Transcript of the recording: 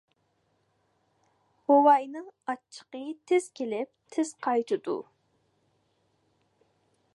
بوۋاينىڭ ئاچچىقى تېز كېلىپ، تېز قايتىدۇ.